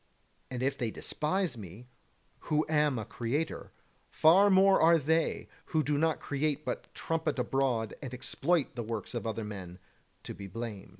And if they despise me, who am a creator, far more are they, who do not create but trumpet abroad and exploit the works of other men, to be blamed.